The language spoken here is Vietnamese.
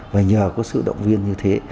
và nhờ có sự động viên như thế